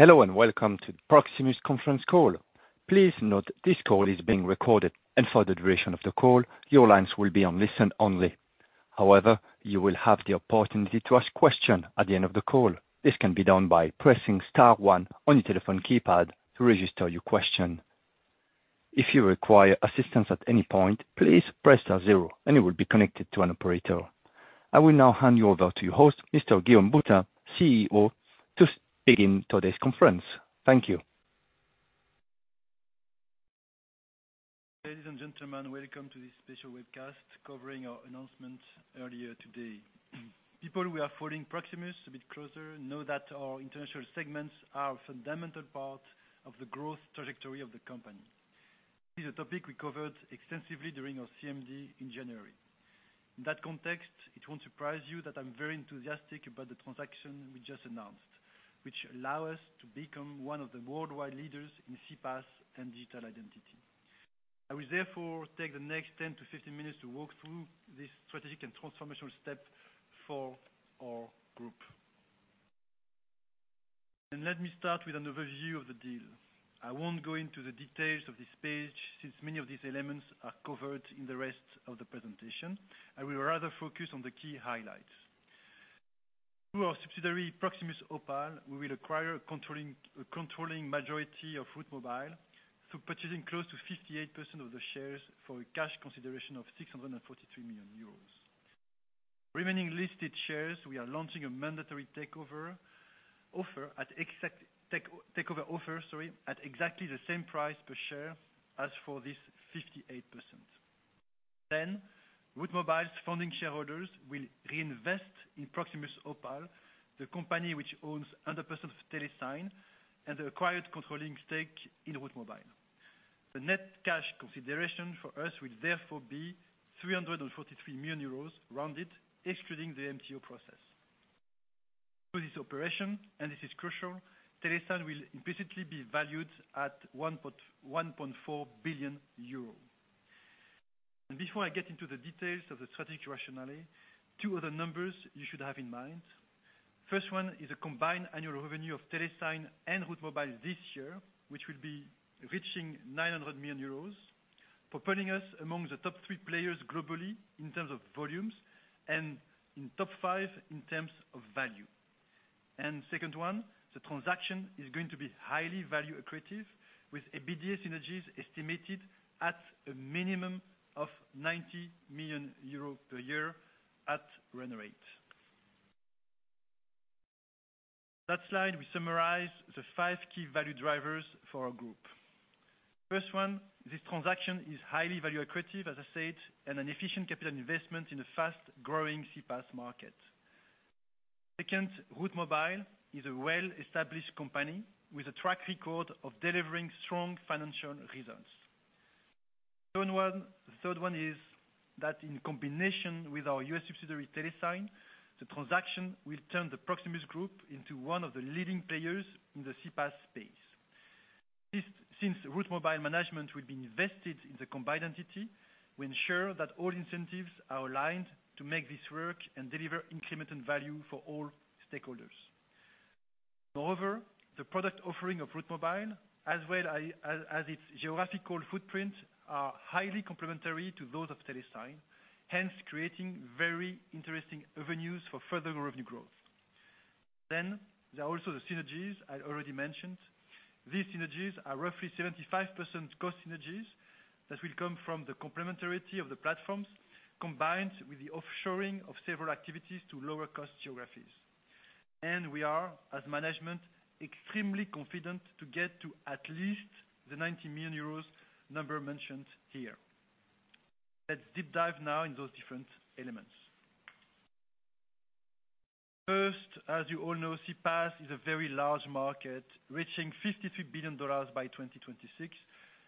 Hello, Welcome to the Proximus conference call. Please note this call is being recorded, and for the duration of the call, your lines will be on listen-only. However, you will have the opportunity to ask questions at the end of the call. This can be done by pressing star one on your telephone keypad to register your question. If you require assistance at any point, please press star zero and you will be connected to an operator. I will now hand you over to your host, Mr. Guillaume Boutin, CEO, to begin today's conference. Thank you. Ladies and gentlemen, welcome to this special webcast covering our announcement earlier today. People who are following Proximus a bit closer know that our international segments are a fundamental part of the growth trajectory of the company. This is a topic we covered extensively during our CMD in January. In that context, it won't surprise you that I'm very enthusiastic about the transaction we just announced, which allow us to become one of the worldwide leaders in CPaaS and digital identity. I will therefore take the next 10 to 15 minutes to walk through this strategic and transformational step for our group. Let me start with an overview of the deal. I won't go into the details of this page, since many of these elements are covered in the rest of the presentation. I will rather focus on the key highlights. Through our subsidiary, Proximus Opal, we will acquire a controlling majority of Route Mobile through purchasing close to 58% of the shares for a cash consideration of 643 million euros. Remaining listed shares, we are launching a mandatory takeover offer at exactly the same price per share as for this 58%. Route Mobile's founding shareholders will reinvest in Proximus Opal, the company which owns 100% of Telesign and the acquired controlling stake in Route Mobile. The net cash consideration for us will therefore be 343 million euros rounded, excluding the MTO process. Through this operation, this is crucial, Telesign will implicitly be valued at 1.4 billion euros. Before I get into the details of the strategic rationale, two other numbers you should have in mind. First one is a combined annual revenue of Telesign and Route Mobile this year, which will be reaching 900 million euros, propelling us among the top three players globally in terms of volumes and in top five in terms of value. And second one, the transaction is going to be highly value accretive, with EBITDA synergies estimated at a minimum of 90 million euros per year at run rate. That slide, we summarize the five key value drivers for our group. first one, this transaction is highly value accretive, as I said, and an efficient capital investment in a fast-growing CPaaS market. second, Route Mobile is a well-established company with a track record of delivering strong financial results. third one is that in combination with our U.S. subsidiary, Telesign, the transaction will turn the Proximus Group into one of the leading players in the CPaaS space. Since Route Mobile management will be invested in the combined entity, we ensure that all incentives are aligned to make this work and deliver incremental value for all stakeholders. Moreover, the product offering of Route Mobile, as well as its geographical footprint, are highly complementary to those of Telesign, hence creating very interesting avenues for further revenue growth. Then there are also the synergies I already mentioned. These synergies are roughly 75% cost synergies that will come from the complementarity of the platforms, combined with the offshoring of several activities to lower cost geographies. We are, as management, extremely confident to get to at least the 90 million euros number mentioned here. Let's deep dive now in those different elements. As you all know, CPaaS is a very large market, reaching $53 billion by 2026,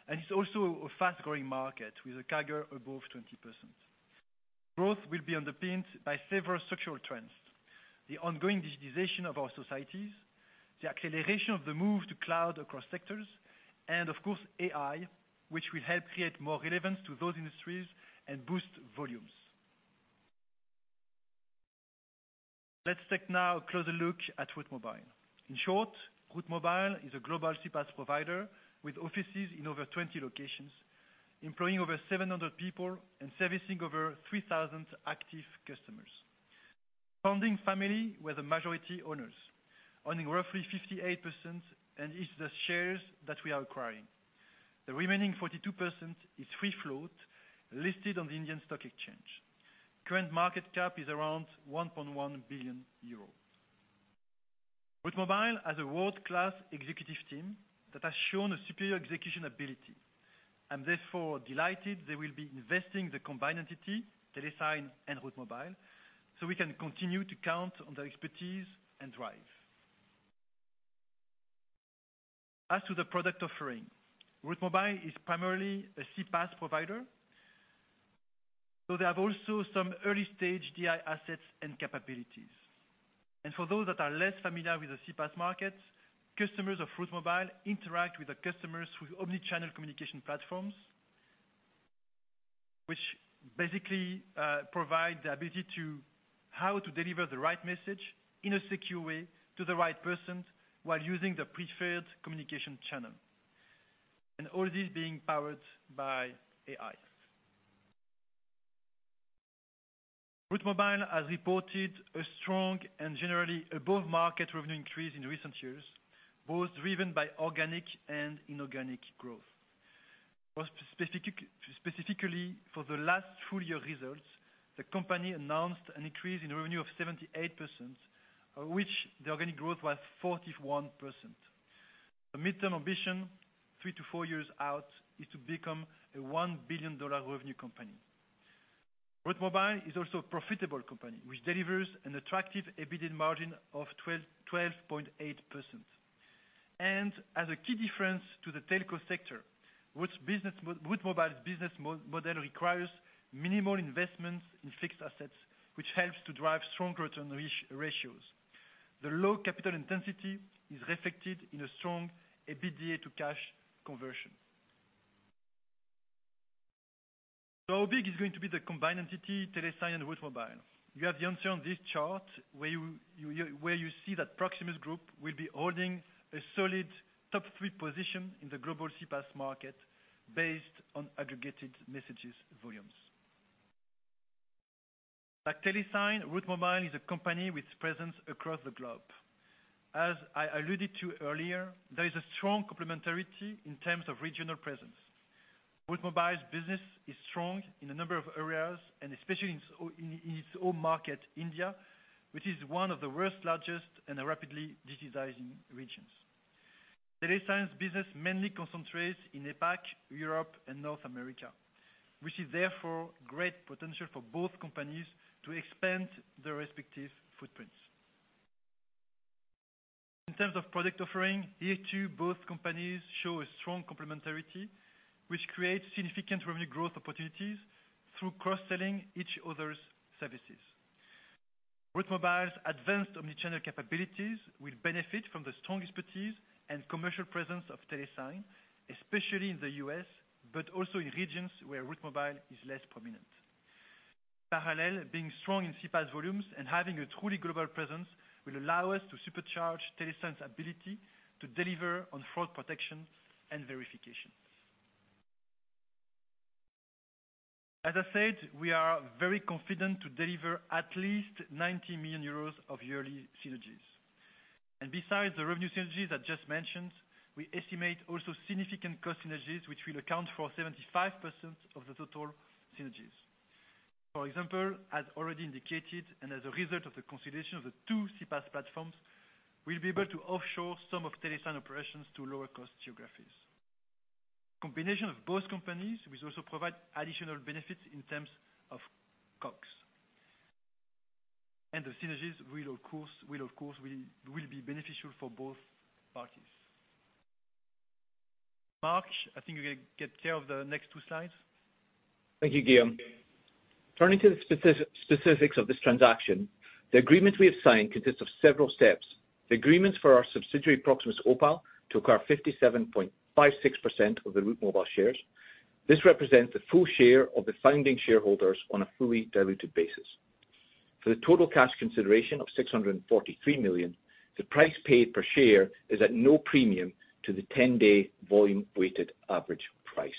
it's also a fast-growing market with a CAGR above 20%. Growth will be underpinned by several structural trends: the ongoing digitization of our societies, the acceleration of the move to cloud across sectors, and of course AI which will help create more relevance to those industries and boost volumes. Let's take now a closer look at Route Mobile. In short Route Mobile is a global CPaaS provider with offices in over 20 locations, employing over 700 people and servicing over 3,000 active customers. Founding family were the majority owners, owning roughly 58%, and it's the shares that we are acquiring. The remaining 42% is free float, listed on the Indian Stock Exchange. Current market cap is around 1.1 billion euros. Route Mobile has a world-class executive team that has shown a superior execution ability. I'm therefore delighted they will be investing the combined entity, Telesign and Route Mobile, so we can continue to count on their expertise and drive. As to the product offering, Route Mobile is primarily a CPaaS provider, so they have also some early-stage DI assets and capabilities. For those that are less familiar with the CPaaS market, customers of Route Mobile interact with the customers through omnichannel communication platforms. Basically, provide the ability to deliver the right message in a secure way to the right person, while using the preferred communication channel, and all this being powered by AI. Route Mobile has reported a strong and generally above market revenue increase in recent years, both driven by organic and inorganic growth. Specifically for the last full year results, the company announced an increase in revenue of 78%, of which the organic growth was 41%. The midterm ambition, three to four years out, is to become a $1 billion revenue company. Route Mobile is also a profitable company, which delivers an attractive EBITDA margin of 12.8%. And as a key difference to the telco sector, which business would provide business model requires minimal investments in fixed assets, which helps to drive strong return ratios. The low capital intensity is reflected in a strong EBITDA to cash conversion. How big is going to be the combined entity, Telesign and Route Mobile? You have the answer on this chart, where you, where you see that Proximus Group will be holding a solid top three position in the global CPaaS market based on aggregated messages volumes. Like Telesign, Route Mobile is a company with presence across the globe. As I alluded to earlier, there is a strong complementarity in terms of regional presence. Route Mobile's business is strong in a number of areas, and especially in its own market India, which is one of the world's largest and a rapidly digitizing regions. Telesign's business mainly concentrates in APAC, Europe, and North America, which is therefore great potential for both companies to expand their respective footprints. In terms of product offering, here too, both companies show a strong complementarity, which creates significant revenue growth opportunities through cross selling each other's services. Route Mobile's advanced omnichannel capabilities will benefit from the strong expertise and commercial presence of Telesign, especially in the US, but also in regions where Route Mobile is less prominent. Parallel, being strong in CPaaS volumes and having a truly global presence will allow us to supercharge Telesign's ability to deliver on fraud protection and verification. As I said, we are very confident to deliver at least 90 million euros of yearly synergies. Besides the revenue synergies I just mentioned, we estimate also significant cost synergies, which will account for 75% of the total synergies. For example, as already indicated, and as a result of the consolidation of the two CPaaS platforms, we'll be able to offshore some of Telesign operations to lower cost geographies. Combination of both companies will also provide additional benefits in terms of costs. The synergies will, of course, be beneficial for both parties. Mark, I think you can get care of the next two slides. Thank you, Guillaume. Turning to the specifics of this transaction, the agreement we have signed consists of several steps. The agreements for our subsidiary, Proximus Opal, to acquire 57.56% of the Route Mobile shares. This represents the full share of the founding shareholders on a fully diluted basis. For the total cash consideration of 643 million, the price paid per share is at no premium to the 10-day volume weighted average price.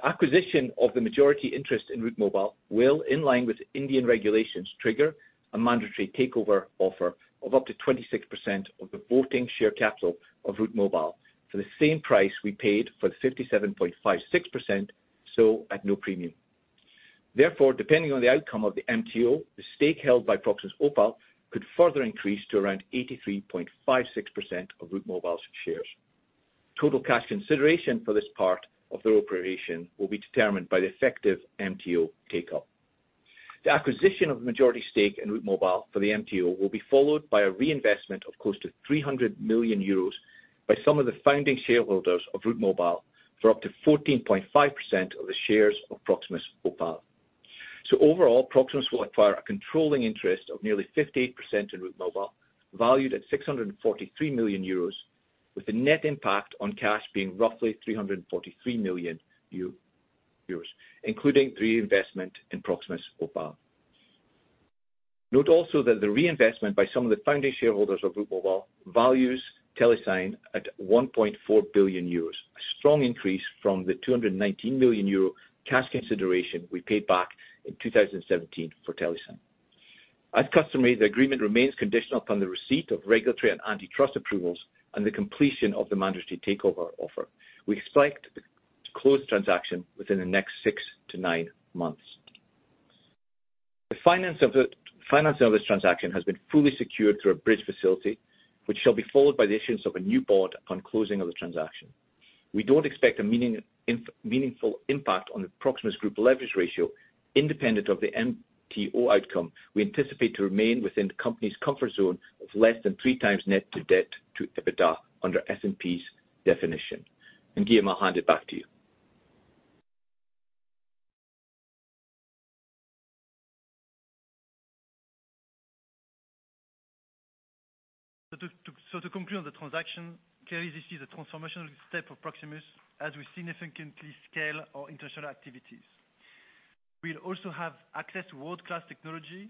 The acquisition of the majority interest in Route Mobile will, in line with Indian regulations trigger a mandatory takeover offer of up to 26% of the voting share capital of Route Mobile for the same price we paid for the 57.56%, so at no premium. Depending on the outcome of the MTO, the stake held by Proximus Opal could further increase to around 83.56% of Route Mobile's shares. Total cash consideration for this part of the operation will be determined by the effective MTO take-up. The acquisition of the majority stake in Route Mobile for the MTO will be followed by a reinvestment of close to 300 million euros by some of the founding shareholders of Route Mobile, for up to 14.5% of the shares of Proximus Opal. Overall, Proximus will acquire a controlling interest of nearly 58% in Route Mobile, valued at 643 million euros, with the net impact on cash being roughly 343 million euros, including the reinvestment in Proximus Opal. Note also that the reinvestment by some of the founding shareholders of Route Mobile values Telesign at 1.4 billion euros, a strong increase from the 219 million euro cash consideration we paid back in 2017 for Telesign. As customary, the agreement remains conditional upon the receipt of regulatory and antitrust approvals and the completion of the mandatory takeover offer. We expect to close the transaction within the next 6-9 months. The finance of this transaction has been fully secured through a bridge facility, which shall be followed by the issuance of a new board on closing of the transaction. We don't expect a meaningful impact on the Proximus Group leverage ratio. Independent of the MTO outcome, we anticipate to remain within the company's comfort zone of less than three times net debt to EBITDA under S&P's definition. Guillaume, I'll hand it back to you. To conclude on the transaction, clearly, this is a transformational step for Proximus, as we significantly scale our international activities. We'll also have access to world-class technology,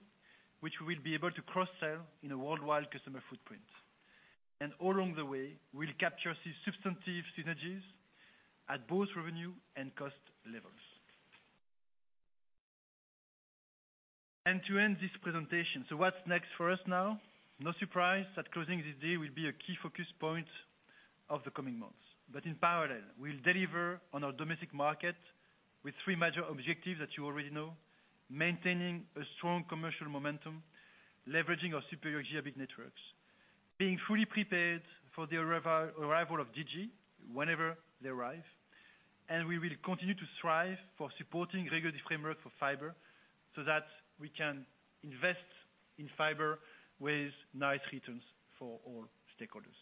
which we will be able to cross-sell in a worldwide customer footprint. All along the way, we'll capture these substantive synergies at both revenue and cost levels. To end this presentation, what's next for us now? No surprise that closing this deal will be a key focus point of the coming months. In parallel, we'll deliver on our domestic market with three major objectives that you already know: maintaining a strong commercial momentum, leveraging our superior GEAB networks, being fully prepared for the arrival of Digi, whenever they arrive, and we will continue to strive for supporting regulatory framework for fiber, so that we can invest in fiber with nice returns for all stakeholders.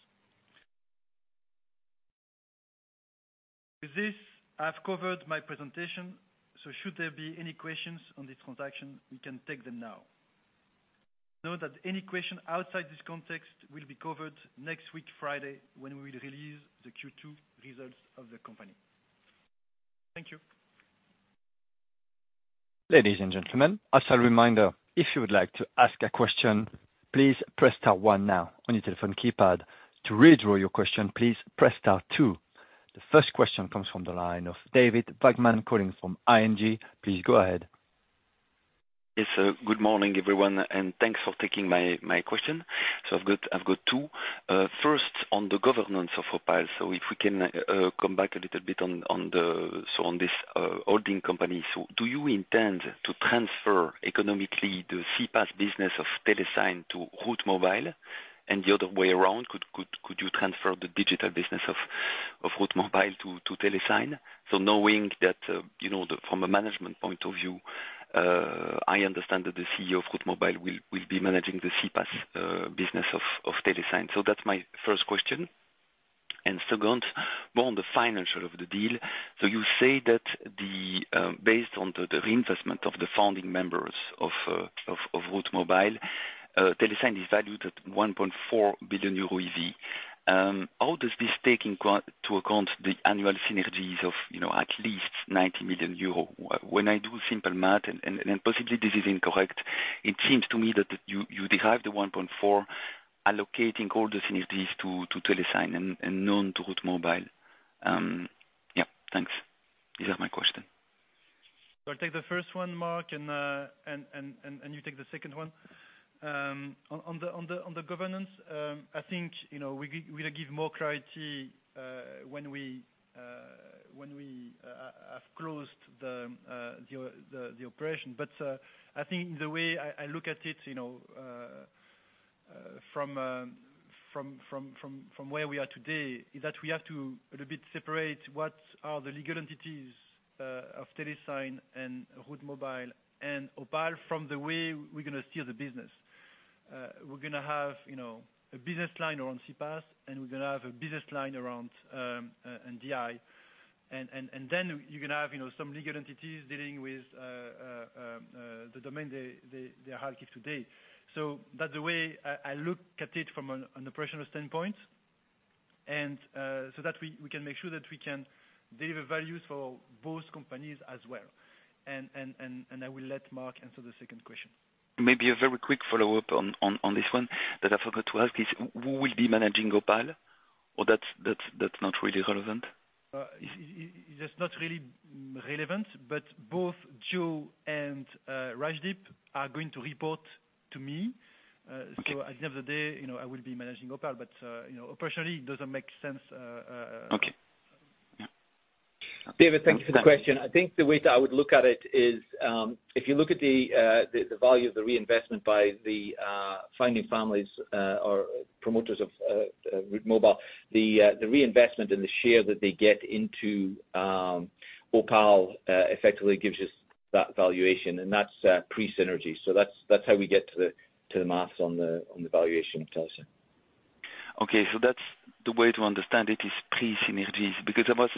With this, I've covered my presentation, so should there be any questions on this transaction, we can take them now. Note that any question outside this context will be covered next week Friday, when we will release the Q2 results of the company. Thank you. Ladies and gentlemen, as a reminder, if you would like to ask a question, please press star one now on your telephone keypad. To withdraw your question, please press star two. The first question comes from the line of David Vagman, calling from ING. Please go ahead. Yes, good morning, everyone, and thanks for taking my question. I've got two. first, on the governance of Opal. If we can come back a little bit on this holding company. Do you intend to transfer economically the CPaaS business of Telesign to Route Mobile? The other way around, could you transfer the digital business of Route Mobile to Telesign? Knowing that you know, from a management point of view, I understand that the CEO of Route Mobile will be managing the CPaaS business of Telesign. That's my first question. second, more on the financial of the deal. You say that the, based on the reinvestment of the founding members of Route Mobile, Telesign is valued at 1.4 billion euro EV. How does this take into account the annual synergies of, you know, at least 90 million euro? When I do simple math, and possibly this is incorrect, it seems to me that you derive the 1.4 allocating all the synergies to Telesign and none to Route Mobile. Yeah, thanks. These are my question. I'll take the first one, Mark, and you take the second one. On the governance, I think, you know, we'll give more clarity when we have closed the operation. But I think the way I look at it, you know, from where we are today, is that we have to a little bit separate what are the legal entities of Telesign and Route Mobile, and Opal, from the way we're gonna steer the business. We're gonna have, you know, a business line around CPaaS, and we're gonna have a business line around NDI. Then you're gonna have, you know, some legal entities dealing with the domain they are active today. That's the way I look at it from an operational standpoint. So that we can make sure that we can deliver values for both companies as well. I will let Mark answer the second question. Maybe a very quick follow-up on this one, that I forgot to ask is who will be managing Opal? That's not really relevant? It's not really relevant, but both Joe and Rajdip are going to report to me. Okay. At the end of the day, you know, I will be managing Opal, but, you know, operationally, it doesn't make sense. Okay. Yeah. David, thank you for the question. I think the way that I would look at it is, if you look at the value of the reinvestment by the founding families or promoters of Route Mobile. The reinvestment and the share that they get into Opal effectively gives us that valuation, and that's pre-synergy. That's how we get to the math on the valuation of Telesign. Okay. That's the way to understand it, is pre-synergies, because I was.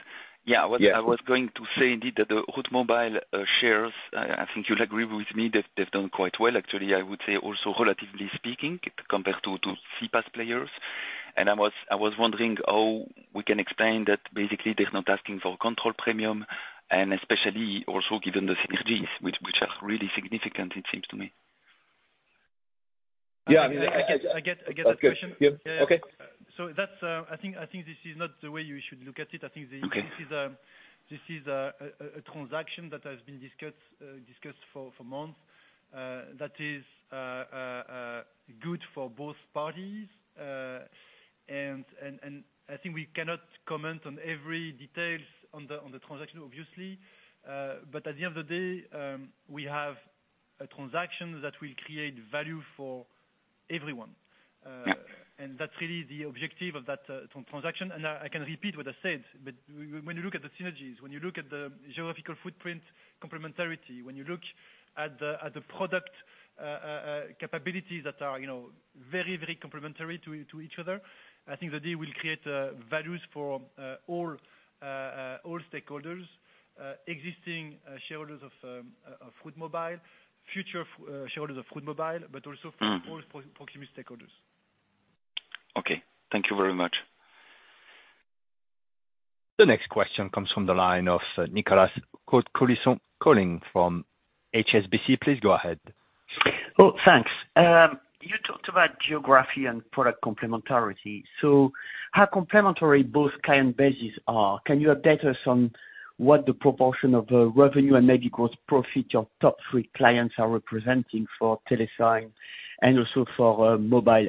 Yeah. I was going to say, indeed, that the Route Mobile shares, I think you'll agree with me, they've done quite well actually, I would say also relatively speaking, compared to CPaaS players. I was wondering how we can explain that basically they're not asking for control premium and especially also given the synergies which are really significant it seems to me. Yeah, I mean. I get the question. Okay. That's, I think this is not the way you should look at it. Okay. I think this is a transaction that has been discussed for months. That is good for both parties. I think we cannot comment on every details on the transaction, obviously. At the end of the day we have a transaction that will create value for everyone. Yeah. That's really the objective of that transaction. I can repeat what I said but when you look at the synergies, when you look at the geographical footprint complementarity when you look at the product capabilities that are you know very complementary to each other, I think the deal will create values for all stakeholders existing shareholders of Route Mobile future shareholders of Route Mobile, but also- Mm-hmm. For all Proximus stakeholders. Okay. Thank you very much. The next question comes from the line of Nicolas Cote-Colisson calling from HSBC. Please go ahead. Oh, thanks. You talked about geography and product complementarity. How complementary both client bases are, can you update us on what the proportion of revenue and maybe gross profit your top three clients are representing for Telesign, and also for Route Mobile?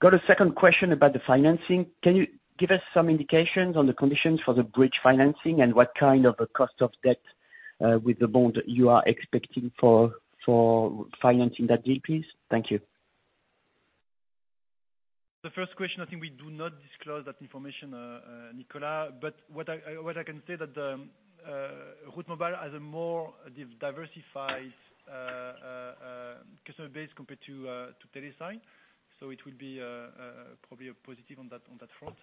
Got a second question about the financing. Can you give us some indications on the conditions for the bridge financing, and what kind of a cost of debt with the bond you are expecting for financing that deal please? Thank you. The first question, I think we do not disclose that information, Nicolas, but what I can say that Route Mobile has a more diversified customer base compared to Telesign. It will be probably a positive on that front.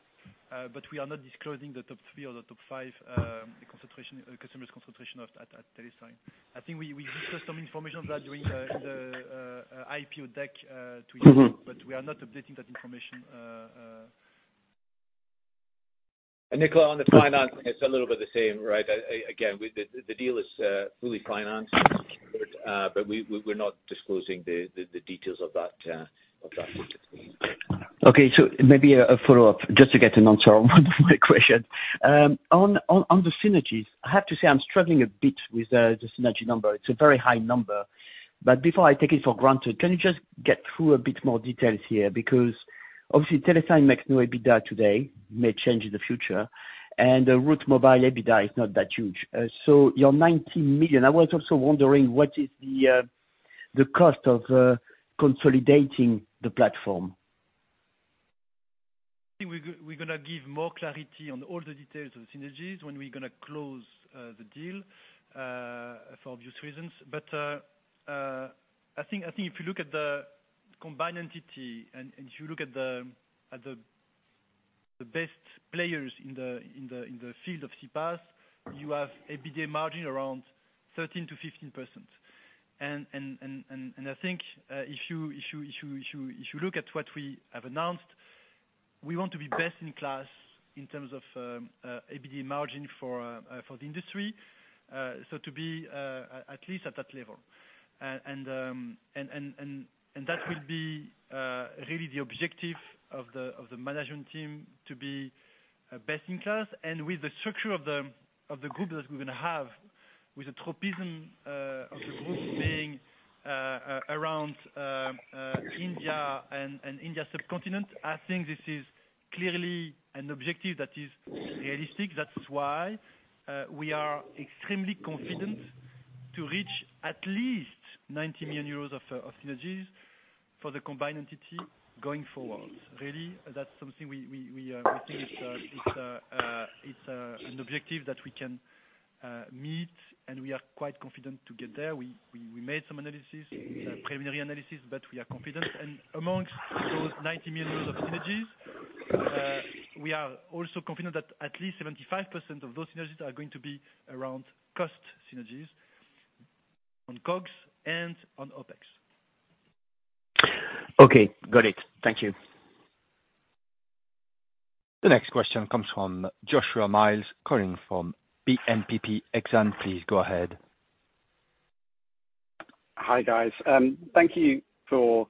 But we are not disclosing the top three or the top five, the concentration, customers concentration of that at Telesign. I think we discuss some information during the IPO deck, but we are not updating that information. Nicolas, on the financing, it's a little bit the same, right? Again, the deal is fully financed, but we're not disclosing the details of that nature. Okay. Maybe a follow-up, just to get an answer on one of my questions. On the synergies, I have to say I'm struggling a bit with the synergy number. It's a very high number, but before I take it for granted, can you just get through a bit more details here? Obviously Telesign makes no EBITDA today, may change in the future, and the Route Mobile EBITDA is not that huge. Your 90 million, I was also wondering, what is the cost of consolidating the platform? I think we're gonna give more clarity on all the details of the synergies when we're gonna close the deal for obvious reasons. I think if you look at the combined entity, and if you look at the best players in the field of CPaaS, you have EBITDA margin around 13%-15%. And I think if you look at what we have announced we want to be best in class in terms of EBITDA margin for the industry. So to be at least at that level. That will be really the objective of the management team to be best in class. With the structure of the group that we're gonna have with the tropism of the group being around India and India subcontinent, I think this is clearly an objective that is realistic. That's why we are extremely confident to reach at least 90 millions euros of synergies for the combined entity going forward. Really, that's something we think it's an objective that we can meet and we are quite confident to get there. We made some analysis, preliminary analysis but we are confident. Amongst those 90 millions euros of synergies, we are also confident that at least 75% of those synergies are going to be around cost synergies, on COGS and on OPEX. Okay, got it. Thank you. The next question comes from Joshua Mills, calling from BNPP Exane. Please go ahead. Hi, guys. Thank you for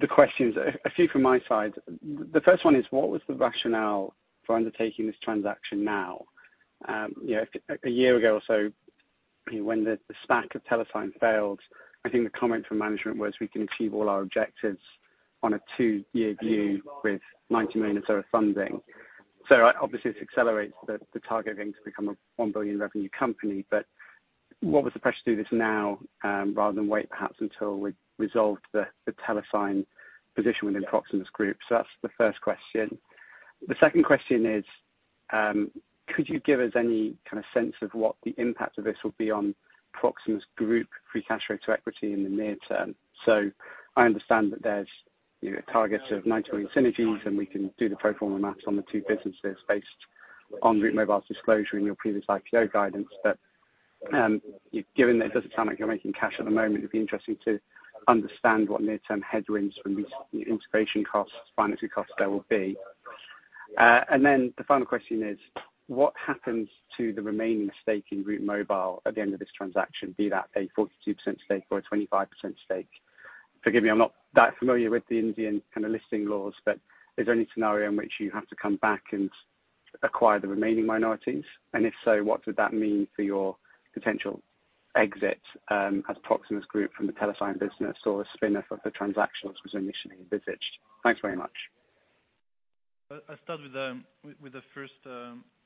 the questions. A few from my side. The first one is, what was the rationale for undertaking this transaction now? You know, a year ago or so, when the SPAC of Telesign failed, I think the comment from management was, We can achieve all our objectives on a two-year view with 90 million of funding. Obviously, this accelerates the target going to become a 1 billion revenue company, but what was the pressure to do this now, rather than wait perhaps until we resolved the Telesign position within Proximus Group? That's the first question. The second question is, could you give us any kind of sense of what the impact of this will be on Proximus Group, free cash flow to equity in the near term? I understand that there's, you know, targets of EUR 90 million synergies, and we can do the pro forma math on the two businesses based on Route Mobile's disclosure in your previous IPO guidance. But given that it doesn't sound like you're making cash at the moment, it'd be interesting to understand what near-term headwinds from these integration costs, financing costs there will be. The final question is, what happens to the remaining stake in Route Mobile at the end of this transaction? Be that a 42% stake or a 25% stake. Forgive me, I'm not that familiar with the Indian kind of listing laws, but is there any scenario in which you have to come back and acquire the remaining minorities? If so, what would that mean for your potential exit, as Proximus Group from the Telesign business or the spin-off of the transactions was initially envisaged? Thanks very much. I'll start with the first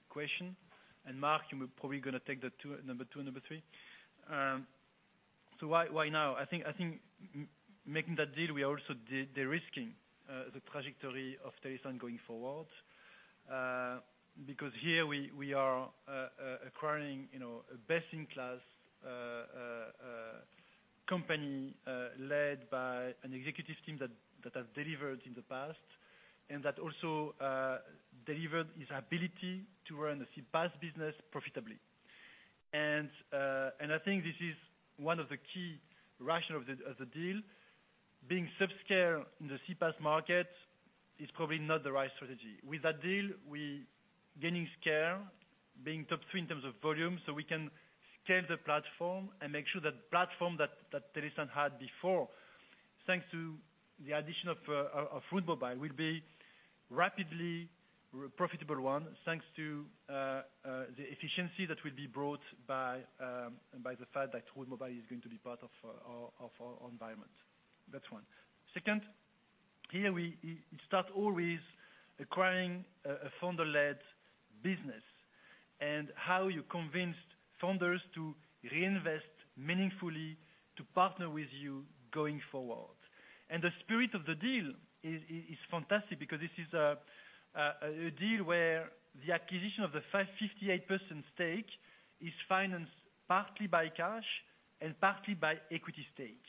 question. And Mark, you probably gonna take number two and number three. Why, why now? I think making that deal, we are also de-risking the trajectory of Telesign going forward. Because here we are acquiring, you know, a best-in-class company, led by an executive team that has delivered in the past, and that also delivered its ability to run the CPaaS business profitably. I think this is one of the key rationale of the deal. Being subscale in the CPaaS market is probably not the right strategy. With that deal, we gaining scale, being top three in terms of volume, so we can scale the platform and make sure that platform that Telesign had before, thanks to the addition of Route Mobile, will be rapidly re-profitable one, thanks to the efficiency that will be brought by the fact that Route Mobile is going to be part of our environment that's one. second, here you start always acquiring a founder-led business, and how you convince founders to reinvest meaningfully to partner with you going forward. The spirit of the deal is fantastic because this is a deal where the acquisition of the 58% stake is financed partly by cash and partly by equity stake.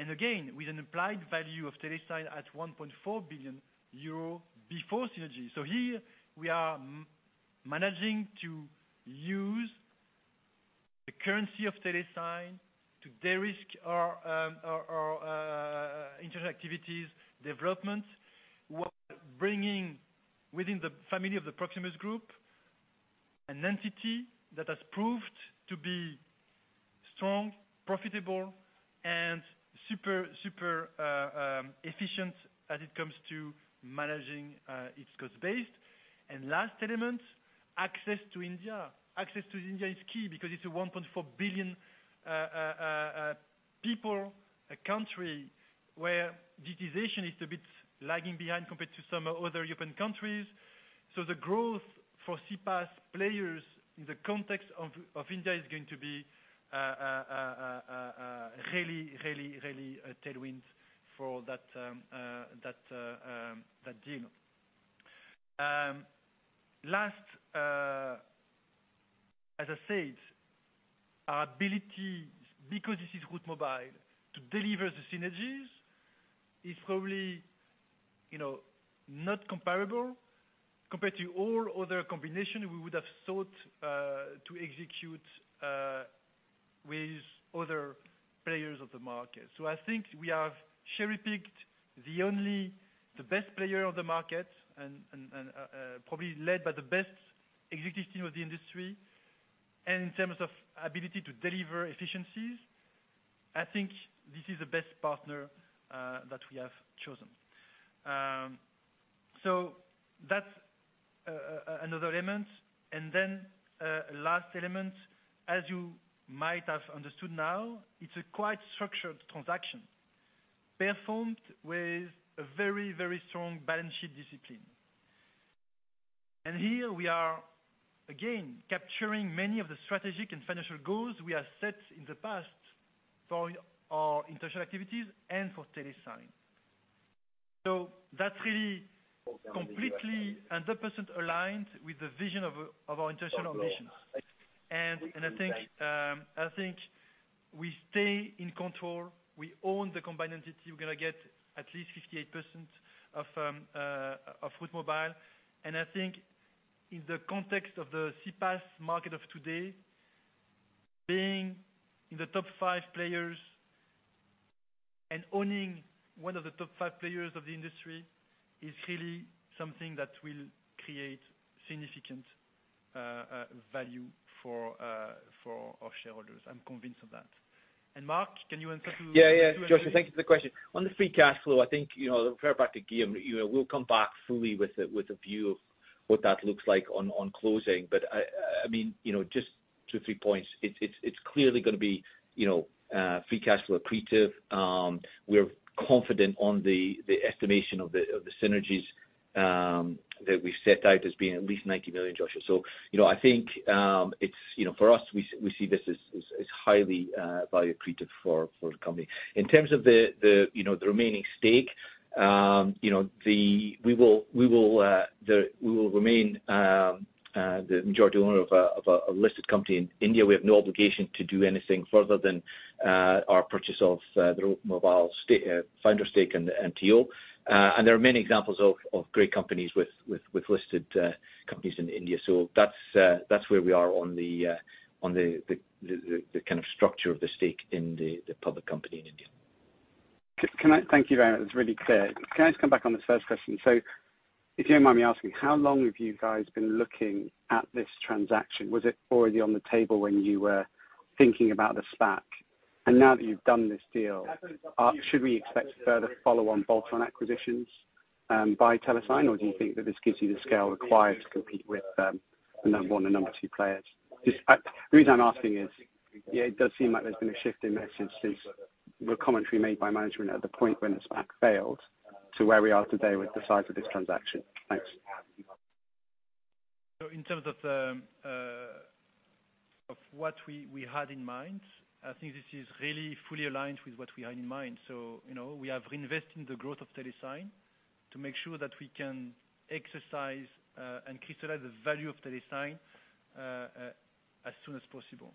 Again, with an implied value of Telesign at 1.4 billion euro before synergy. Here we are managing to use the currency of Telesign to de-risk our internal activities, development, while bringing within the family of the Proximus Group, an entity that has proved to be strong, profitable, and super efficient as it comes to managing its cost base. Last element, access to India. Access to India is key because it's a 1.4 billion people, a country where digitization is a bit lagging behind compared to some other European countries. The growth for CPaaS players in the context of India is going to be really, really, really a tailwind for that deal. Last, as I said, our ability, because this is Route Mobile, to deliver the synergies is probably, you know, not comparable compared to all other combination we would have sought to execute with other players of the market. So, I think we have cherry-picked the only, the best player of the market and probably led by the best executive team of the industry. In terms of ability to deliver efficiencies, I think this is the best partner that we have chosen. So that's another element. Last element, as you might have understood now, it's a quite structured transaction performed with a very, very strong balance sheet discipline. Here we are again capturing many of the strategic and financial goals we have set in the past for our international activities and for Telesign. That's really completely and 100% aligned with the vision of our international missions. I think we stay in control. We own the combined entity. We're gonna get at least 58% of Route Mobile. I think in the context of the CPaaS market of today, being in the top five players and owning one of the top five players of the industry is really something that will create significant value for our shareholders. I'm convinced of that. Mark, can you answer to. Yeah, Joshua, thank you for the question. On the free cash flow, I think, you know, refer back to Guillaume, you know, we'll come back fully with a view of what that looks like on closing. I mean, you know, just two, three points. It's clearly gonna be, you know, free cash flow accretive. We're confident on the estimation of the synergies that we've set out as being at least 90 million, Joshua. You know, I think, it's, you know, for us, we see this as highly value accretive for the company. In terms of the, you know, the remaining stake, you know, the... We will remain the majority owner of a listed company in India. We have no obligation to do anything further than our purchase of the Route Mobile founder stake and TO. There are many examples of great companies with listed companies in India. That's where we are on the kind of structure of the stake in the public company in India. Can I Thank you very much. That's really clear. Can I just come back on the first question? If you don't mind me asking, how long have you guys been looking at this transaction? Was it already on the table when you were thinking about the SPAC? Now that you've done this deal, should we expect further follow-on bolt-on acquisitions by Telesign? Or do you think that this gives you the scale required to compete with the number one and number two players? Just, the reason I'm asking is, yeah, it does seem like there's been a shift in message since the commentary made by management at the point when the SPAC failed to where we are today with the size of this transaction. Thanks. In terms of what we had in mind, I think this is really fully aligned with what we had in mind. You know, we have reinvested in the growth of Telesign to make sure that we can exercise and crystallize the value of Telesign as soon as possible.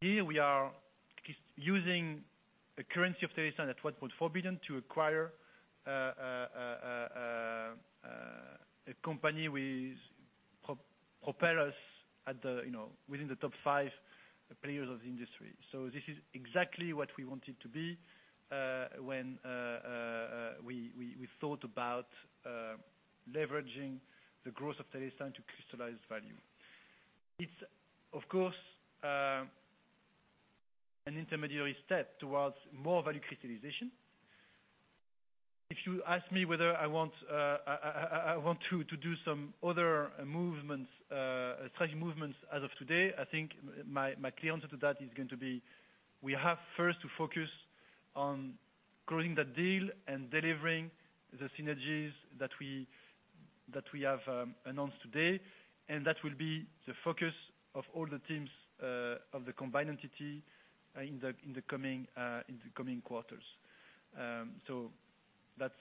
Here we are using the currency of Telesign at what was forbidden to acquire a company with propel us at the, you know, within the top five players of the industry. This is exactly what we want it to be when we thought about leveraging the growth of Telesign to crystallize value. It's of course, an intermediary step towards more value crystallization. If you ask me whether I want to do some other movements strategy movements as of today, I think my clear answer to that is going to be, we have first to focus on growing the deal and delivering the synergies that we have announced today. And that will be the focus of all the teams of the combined entity in the coming quarters. That's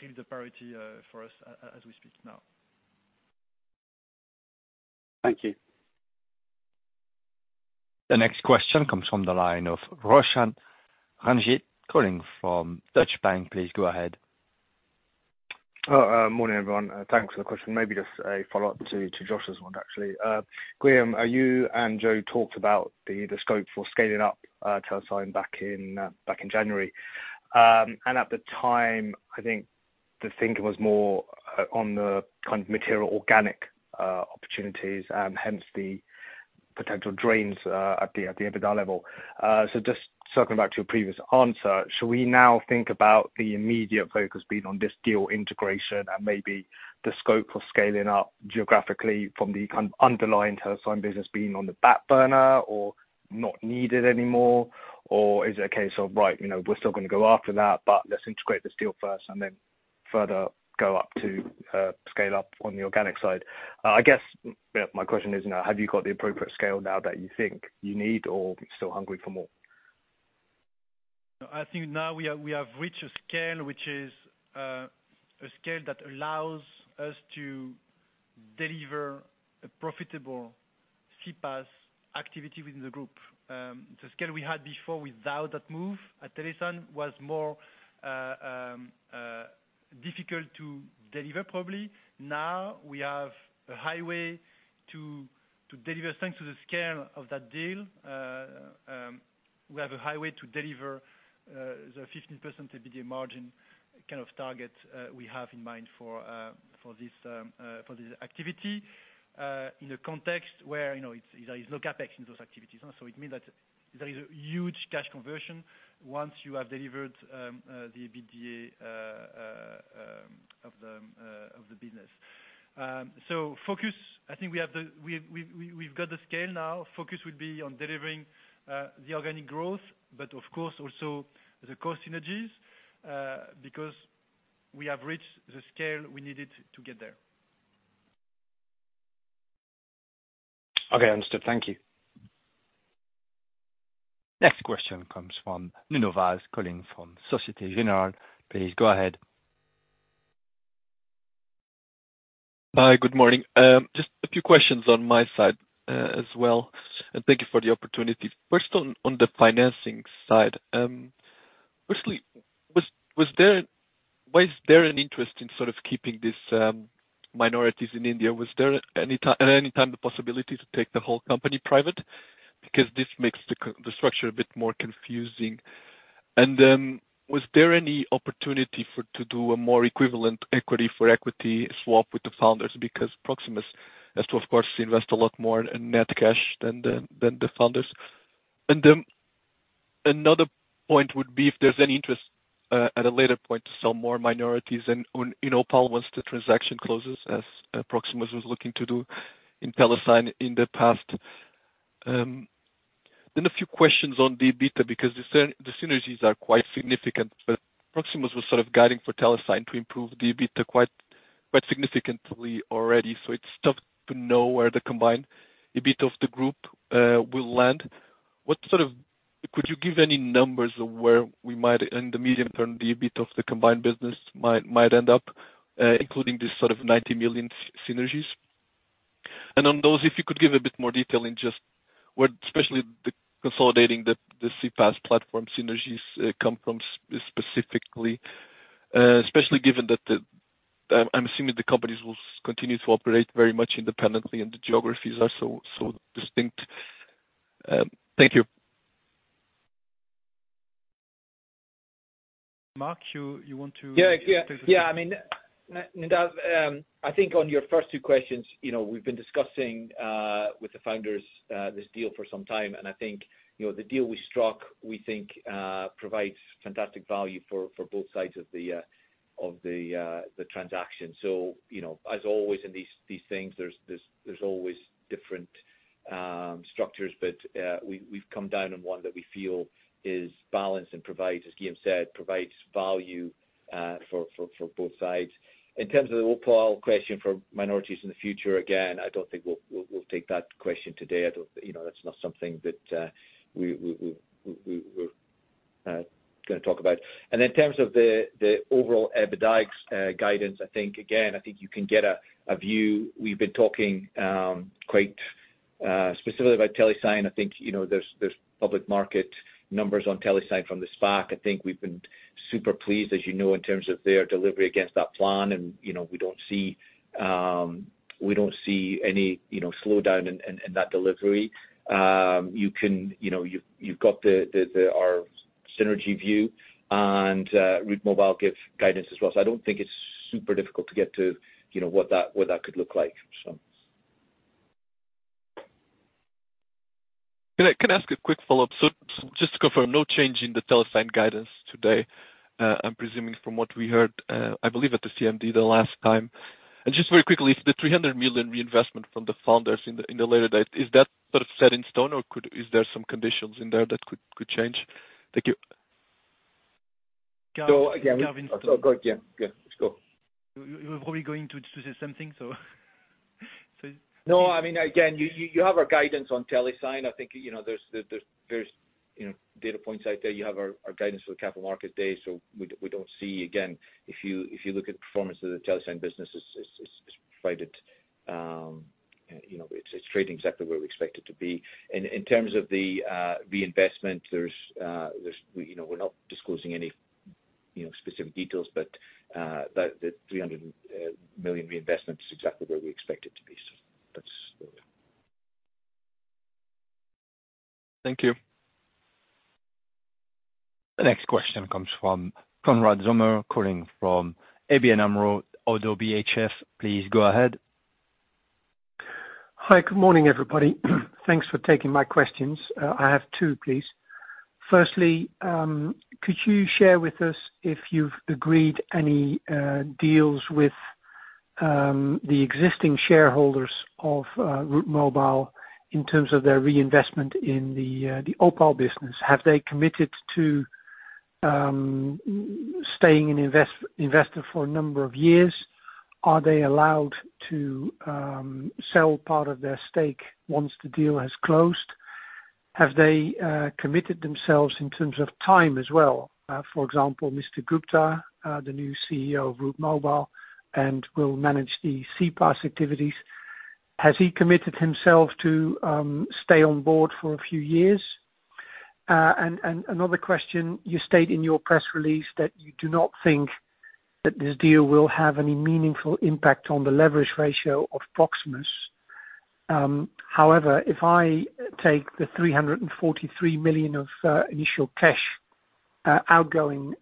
really the priority for us as we speak now. Thank you. The next question comes from the line of Roshan Ranjit, calling from Deutsche Bank. Please go ahead. Morning, everyone. Thanks for the question. Maybe just a follow-up to Joshua one actually. Guillaume, you and Joe talked about the scope for scaling up Telesign back in January. And at the time, I think the thinking was more on the kind of material organic opportunities, hence the potential drains at the EBITDA level. So just circling back to your previous answer, should we now think about the immediate focus being on this deal integration and maybe the scope for scaling up geographically from the kind of underlying Telesign business being on the back burner or not needed anymore? Or is it a case of right, you know, we're still gonna go after that, but let's integrate this deal first and then further go up to scale up on the organic side? I guess, yeah, my question is, you know, have you got the appropriate scale now that you think you need or still hungry for more? I think now we have reached a scale, which is a scale that allows us to deliver a profitable CPaaS activity within the group. The scale we had before without that move at Telesign was more difficult to deliver, probably. Now we have a highway to deliver thanks to the scale of that deal. We have a highway to deliver the 15% EBITDA margin kind of target we have in mind for this activity. In a context where, you know it's there no CapEx in those activities, and so it means that there is a huge cash conversion once you have delivered the EBITDA of the business. So, focus, I think we've got the scale now. Focus will be on delivering the organic growth, but of course, also the cost synergies, because we have reached the scale, we needed to get there. Okay, understood. Thank you. Next question comes from Nuno Vaz, calling from Societe Generale. Please go ahead. Hi, good morning. Just a few questions on my side as well, and thank you for the opportunity. first on the financing side, firstly, why is there an interest in sort of keeping this minorities in India? Was there any time at any time the possibility to take the whole company private? This makes the structure a bit more confusing. Was there any opportunity for to do a more equivalent equity for equity swap with the founders? Proximus has to of course invest a lot more in net cash than the founders. Another point would be if there's any interest at a later point to sell more minorities you know once the transaction closes as Proximus was looking to do in Telesign in the past. A few questions on the EBITDA, because the synergies are quite significant, but Proximus was sort of guiding for Telesign to improve the EBITDA quite significantly already, so it's tough to know where the combined EBIT of the group will land. Could you give any numbers of where we might n the medium term the EBIT of the combined business might end up including this sort of 90 million synergies? On those, if you could give a bit more detail in just what especially the consolidating the CPaaS platform synergies come from specifically, especially given that the I'm assuming the companies will continue to operate very much independently and the geographies are so distinct. Thank you. Mark, you want to? I mean Nuno, I think on your first two questions you know we've been discussing with the founders this deal for some time. I think you know the deal we struck, we think, provides fantastic value for both sides of the transaction. You know as always in these things there's always different structures. We've come down on one that we feel is balanced and provides as Guillaume said value for both sides. In terms of the overall question for minorities in the future again I don't think we'll take that question today. You know that's not something that we going to talk about. In terms of the overall EBITDA guidance I think again I think you can get a view. We've been talking quite specifically about Telesign. I think you know there's public market numbers on Telesign from the SPAC. I think we've been super pleased as you know, in terms of their delivery against that plan and you know, we don't see any you know slowdown in that delivery. You can you know you've got the our synergy view, and Route Mobile give guidance as well. I don't think it's super difficult to get to you know what that could look like. Can I ask a quick follow-up? Just to confirm no change in the Telesign guidance today, I'm presuming from what we heard, I believe at the CMD the last time. Just very quickly, the 300 million reinvestment from the founders in the in the later date is that sort of set in stone or is there some conditions in there that could change? Thank you. So again Oh, go again. Yeah, let's go. We were probably going to say same thing, so. No, I mean again you have our guidance on Telesign. I think you know there's you know, data points out there. You have our guidance for the Capital Market Day. We don't see again if you look at the performance of the Telesign business, it's provided you know it's trading exactly where we expect it to be. In terms of the reinvestment there's you know, we're not disclosing any you know specific details but the 300 million reinvestment is exactly where we expect it to be. That's where we are. Thank you. The next question comes from Konrad Zomer, calling from ABN AMRO-ODDO BHF. Please go ahead. Hi, good morning, everybody. Thanks for taking my questions. I have two, please. Firstly, could you share with us, if you've agreed any deals with the existing shareholders of Route Mobile in terms of their reinvestment in the Opal business? Have they committed to staying an investor for a number of years? Are they allowed to sell part of their stake once the deal has closed? Have they committed themselves in terms of time as well? For example, Mr. Gupta the new CEO of Route Mobile, and will manage the CPaaS activities. As has he committed himself to stay on board for a few years. Another question, you stated in your press release that you do not think that this deal will have any meaningful impact on the leverage ratio of Proximus. However, if I take the 343 million of initial cash outgoing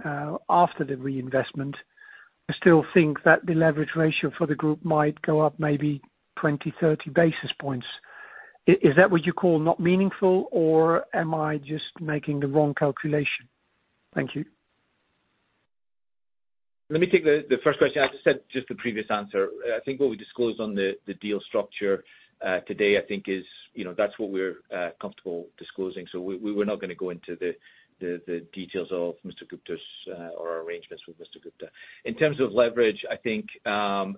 after the reinvestment, I still think that the leverage ratio for the group might go up maybe 20-30 basis points. Is that what you call not meaningful, or am I just making the wrong calculation? Thank you. Let me take the first question. I just said just the previous answer. I think what we disclosed on the deal structure today, I think is, you know, that's what we're comfortable disclosing. We're not gonna go into the details of Mr. Gupta's or arrangements with Mr. Gupta. In terms of leverage, I think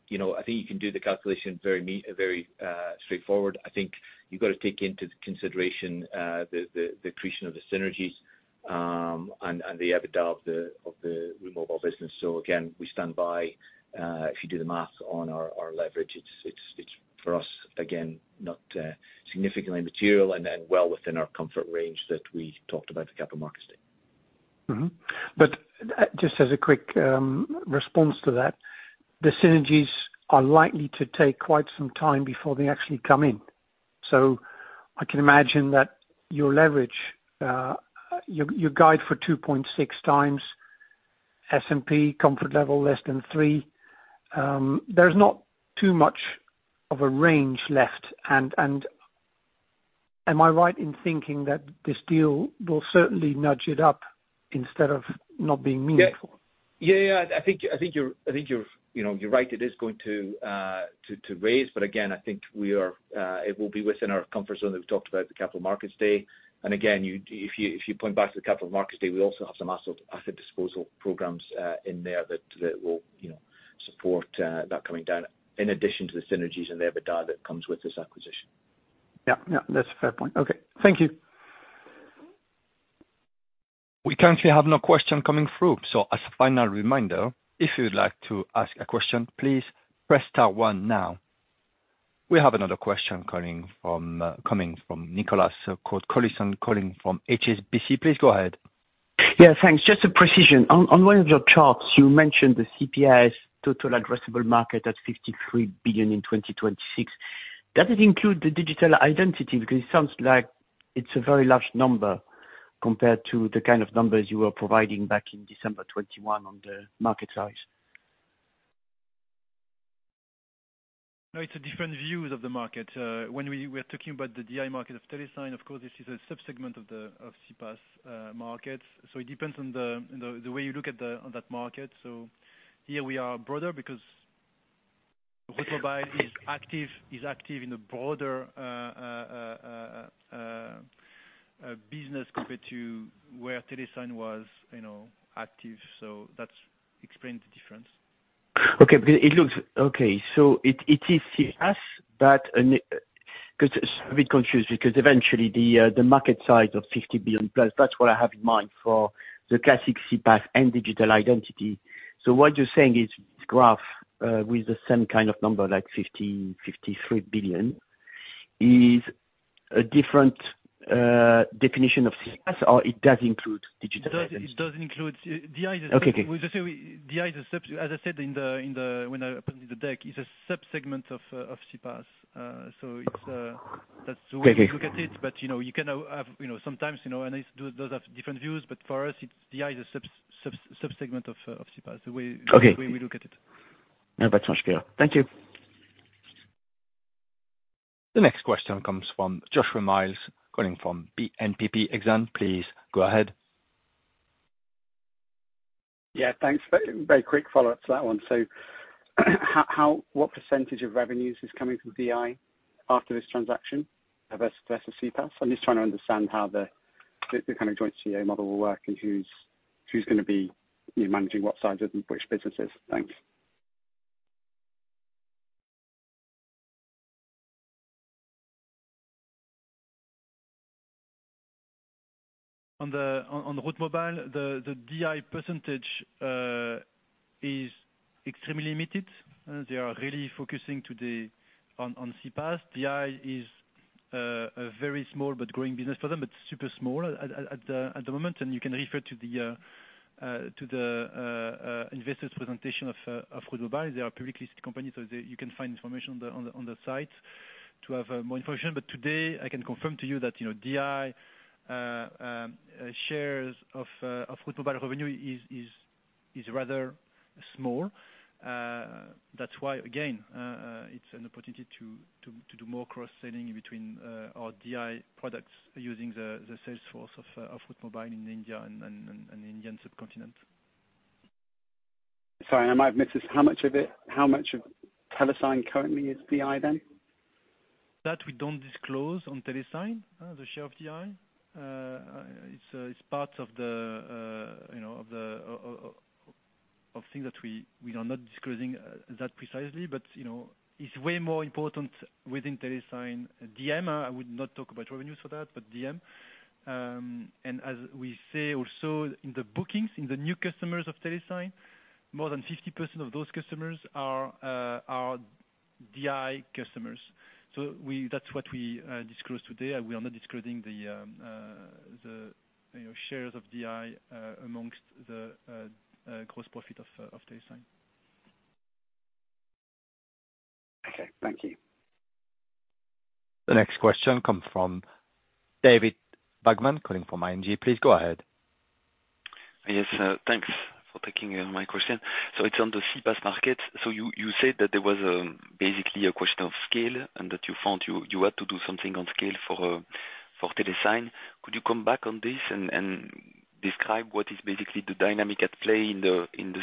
you know I think you can do the calculation very straightforward. I think you've got to take into consideration the accretion of the synergies and the EBITDA of the Route Mobile business. Again, we stand by if you do the math on our leverage, it's for us again not significantly material and then well within our comfort range that we talked about the capital markets day. Just as a quick response to that, the synergies are likely to take quite some time before they actually come in. I can imagine that your leverage, your guide for 2.6x S&P comfort level, less than 3. There's not too much of a range left, and am I right in thinking that this deal will certainly nudge it up instead of not being meaningful? Yeah, yeah, I think you're you know you're right. It is going to raise but again I think we are it will be within our comfort zone that we've talked about the Capital Markets Day. Again, if you point back to the Capital Markets Day, we also have some asset disposal programs in there that will you know support that coming down in addition to the synergies and the EBITDA that comes with this acquisition. Yeah, yeah, that's a fair point. Okay. Thank you. We currently have no question coming through, so as a final reminder, if you'd like to ask a question, please press star one now. We have another question coming from Nicolas Cote-Colisson, calling from HSBC. Please go ahead. Yeah, thanks. Just a precision. On one of your charts, you mentioned the CPaaS total addressable market at $53 billion in 2026. Does it include the digital identity? It sounds like it's a very large number compared to the kind of numbers you were providing back in December 2021 on the market size. It's a different view of the market. When we're talking about the DI market of Telesign, of course, this is a sub-segment of the CPaaS market. It depends on the way you look at that market. Here we are broader because Route Mobile is active in a broader business compared to where Telesign was, you know, active. That's explain the difference. Okay, because it looks, okay, so it is CPaaS but cause it's a bit confused, because eventually the market size of $50 billion plus, that's what I have in mind for the classic CPaaS and digital identity. What you're saying is this graph, with the same kind of number like $50-$53 billion, is a different definition of CPaaS, or it does include digital identity? It does include DI. Okay. DI, as I said in the when I opened the deck is a subsegment of CPaaS. it's that's the way Okay. We look at it, but you know, you can have, you know, sometimes, you know, and those have different views, but for us, it's DI is a sub-sub-subsegment of CPaaS, the way Okay. the way we look at it. No, that's much clearer. Thank you. The next question comes from Joshua Mills, calling from BNPP Exane. Please go ahead. Yeah, thanks. Very quick follow up to that one. What percentage of revenues is coming from DI, after this transaction, versus CPaaS? I'm just trying to understand how the kind of joint CEO model will work, and who's gonna be you know managing what sides of which businesses. Thanks. On the Route Mobile, the DI percentage is extremely limited. They are really focusing today on CPaaS. DI is a very small but growing business for them, but super small at the moment, and you can refer to the investor presentation of Route Mobile. They are a publicly listed company, so you can find information on the site to have more information. Today, I can confirm to you that you know, DI shares of Route Mobile revenue is rather small. That's why again, it's an opportunity to do more cross-selling between our DI products using the sales force of Route Mobile in India and Indian subcontinent. Sorry, I might have missed this. How much of it, how much of Telesign currently is DI then? That we don't disclose on Telesign, the share of DI. It's, it's part of the you know of the things that we are not disclosing that precisely. You know it's way more important within Telesign DI. I would not talk about revenues for that but DI. As we say also in the bookings in the new customers of Telesign more than 50% of those customers are DI customers. That's what we disclose today. We are not disclosing the you know, shares of DI amongst the gross profit of Telesign. Okay. Thank you. The next question come from David Vagman calling from ING. Please go ahead. Yes, thanks for taking my question. It's on the CPaaS market. You said that there was basically a question of scale, and that you found you had to do something on scale for Telesign. Could you come back on this and describe what is basically the dynamic at play in the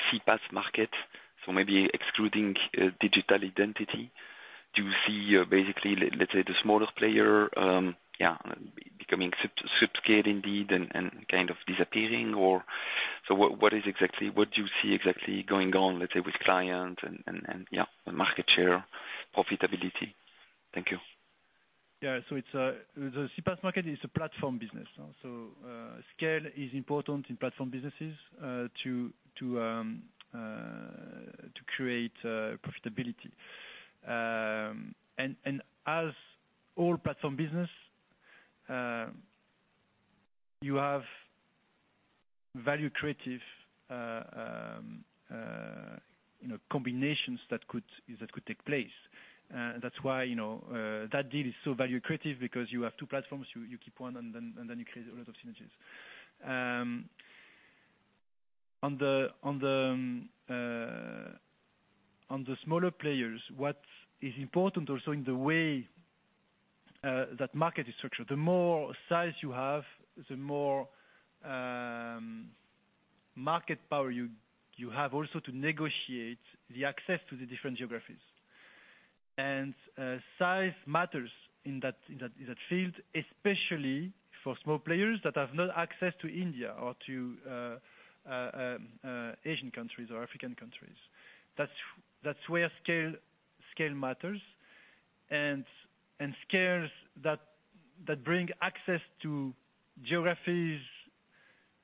CPaaS market? Maybe excluding digital identity, do you see basically let's say the smaller player yeah becoming sub-subscale indeed and kind of disappearing or? What is exactly, what do you see exactly going on let's say with client and yeah, the market share profitability? Thank you. It's, the CPaaS market is a platform business. Scale is important in platform businesses to create profitability. As all platform business you have value creative you know combinations that could take place. That's why, you know, that deal is so value creative because you have two platforms. You keep one, and then you create a lot of synergies. On the smaller players what is important also in the way that market is structured the more size you have the more market power you have also to negotiate the access to the different geographies. And size matters in that field especially for small players that have not access to India or to Asian countries or African countries. That's where scale matters. And scales that bring access to geographies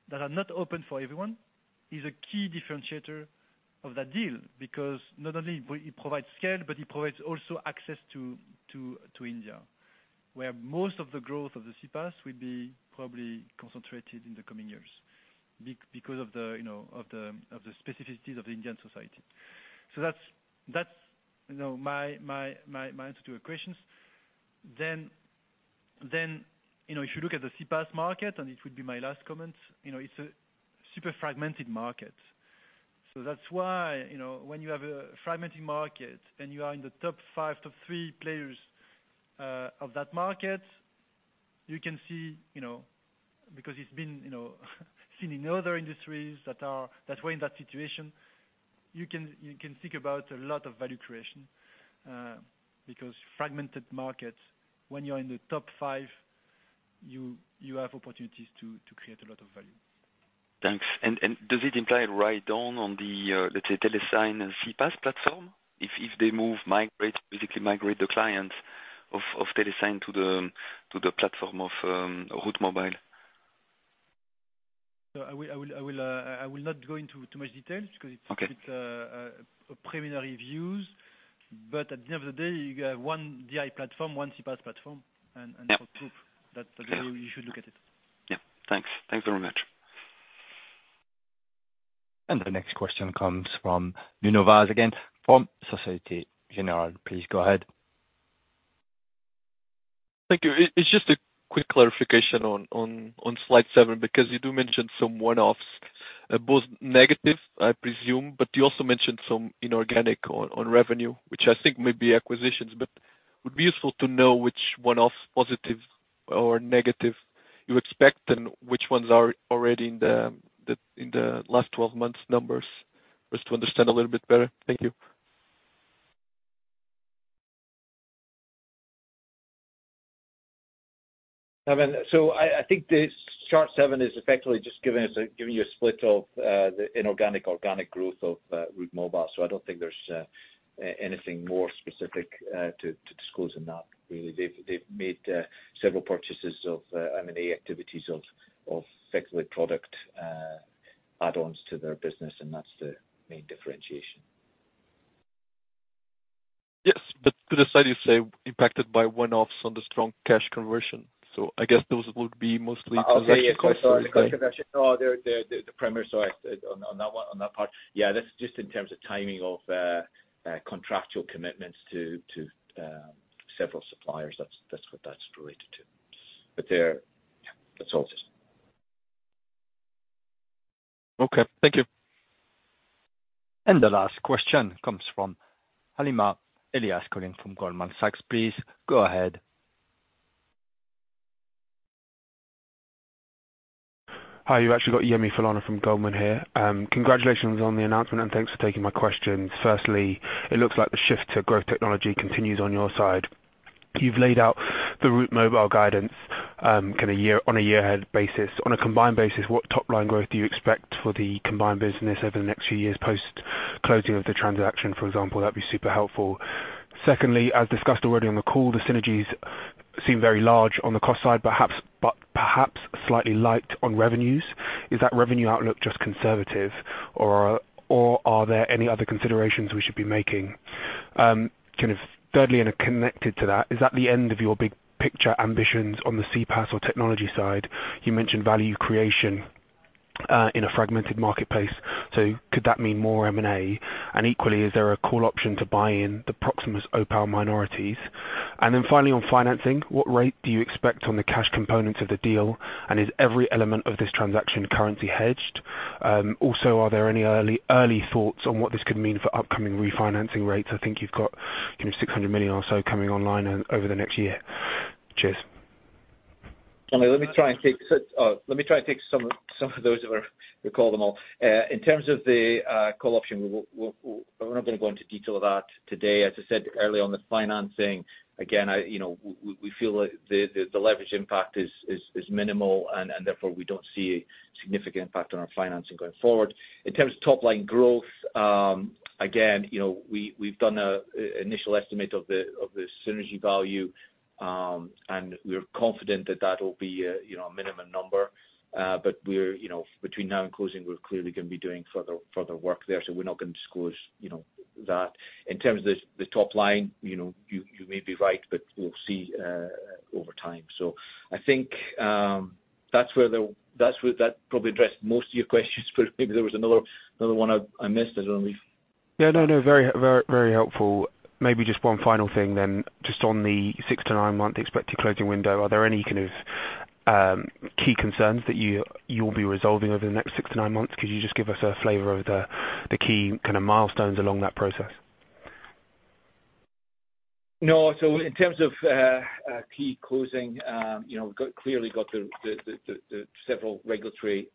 that are not open for everyone, is a key differentiator of that deal. Because not only it provides scale, but it provides also access to India, where most of the growth of the CPaaS will be probably concentrated in the coming years. Because of the, you know, of the specificities of the Indian society. That's, you know, my answer to your questions. Then you know, if you look at the CPaaS market and it would be my last comment you know it's a super fragmented market. That's why, you know when you have a fragmented market and you are in the top five top three players of that market you can see you know because it's been you know seen in other industries that were in that situation you can think about a lot of value creation. Because fragmented markets when you're in the top five you have opportunities to create a lot of value. Thanks. Does it imply right down on the, let's say, Telesign and CPaaS platform if they move migrate basically migrate the clients of Telesign to the platform of Route Mobile? I will not go into too much details because. Okay. preliminary views but at the end of the day you got one DI platform one CPaaS platform. Yeah. That's the way you should look at it. Yeah, thanks. Thanks very much. The next question comes from Nuno Vaz again, from Societe Generale. Please go ahead. Thank you. It's just a quick clarification on slide seven because you do mention some one-offs both negative, I presume, you also mentioned some inorganic on revenue, which I think may be acquisitions. Would be useful to know which one-offs, positive or negative, you expect, and which ones are already in the last 12 months numbers, just to understand a little bit better? Thank you. I mean, I think this chart seven is effectively just giving you a split of the inorganic organic growth of Route Mobile. I don't think there's anything more specific to disclose than that. Really, they've made several purchases of M&A activities of basically product add-ons to their business and that's the main differentiation. Yes, to the side you say Impacted by one-offs on the strong cash conversion. I guess those would be mostly transaction costs. Oh, yes. The cost conversion they're the primary. On that one on that part. That's just in terms of timing of contractual commitments to several suppliers. That's what that's related to. That's all it is. Okay, thank you. The last question comes from Halima Elias, calling from Goldman Sachs. Please go ahead. Hi, you've actually got Yemi Falana from Goldman here. Congratulations on the announcement, thanks for taking my questions. Firstly, it looks like the shift to growth technology continues on your side. You've laid out the Route Mobile guidance, kind of year, on a year-ahead basis. On a combined basis, what top line growth do you expect for the combined business over the next few years, post-closing of the transaction, for example? That'd be super helpful. Secondly, as discussed already on the call, the synergies seem very large on the cost side, perhaps, but perhaps slightly light on revenues. Is that revenue outlook just conservative, or are there any other considerations we should be making? Kind of thirdly, connected to that, is that the end of your big picture ambitions on the CPaaS or technology side? You mentioned value creation in a fragmented marketplace, could that mean more M&A? Equally, is there a call option to buy in the Proximus Opal minorities? Then finally, on financing, what rate do you expect on the cash components of the deal, and is every element of this transaction currently hedged? Also, are there any early thoughts on what this could mean for upcoming refinancing rates? I think you've got kind of 600 million or so coming online over the next year. Cheers. Let me try and take so, let me try to take some of those that were Recall them all. In terms of the call option, we're not gonna go into detail of that today. As I said earlier on the financing again, I You know, we feel like the leverage impact is minimal and therefore, we don't see a significant impact on our financing going forward. In terms of top-line growth again you know we've done a initial estimate of the synergy value and we're confident that that will be a you know minimum number. We're you know between now and closing we're clearly gonna be doing further work there so we're not going to disclose you know that. In terms of the top line you know you may be right, but we'll see over time. I think that's where that probably addressed most of your questions but maybe there was another one I missed as only. Yeah. No, no, very helpful. Maybe just one final thing then, just on the 6-9 month expected closing window. Are there any kind of key concerns that you'll be resolving over the next 6-9 months? Could you just give us a flavor of the key kind of milestones along that process? No. In terms of key closing, you know, we've got clearly got the several regulatory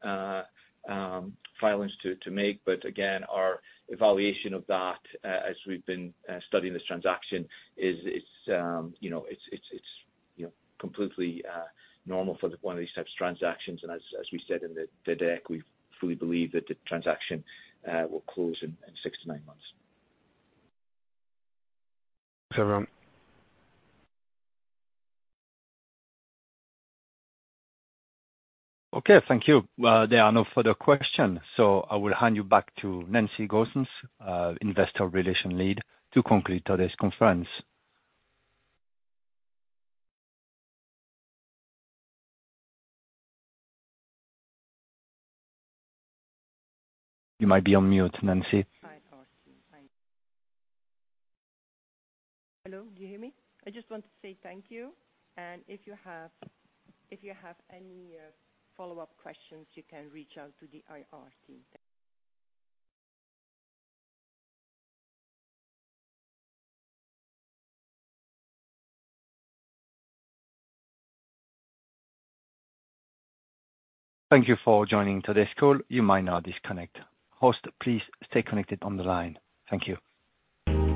filings to make. Again, our evaluation of that as we've been studying this transaction is, it's, you know, completely normal for one of these types of transactions. As we said in the deck, we fully believe that the transaction will close in 6-9 months. Thanks, everyone. Okay, thank you. Well, there are no further questions. I will hand you back to Nancy Goossens, Investor Relations Lead, to conclude today's conference. You might be on mute, Nancy. Hi, awesome. Thank you. Hello, do you hear me? I just want to say thank you. And If you have any follow-up questions, you can reach out to the IR team. Thank you. Thank you for joining today's call. You might now disconnect. Host, please stay connected on the line. Thank you.